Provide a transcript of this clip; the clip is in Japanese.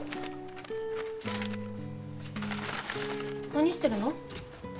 何してるの？